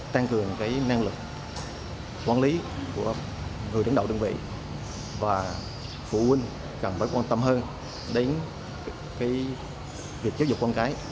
tăng cường năng lực quản lý của người đứng đầu đơn vị và phụ huynh cần phải quan tâm hơn đến việc giáo dục con cái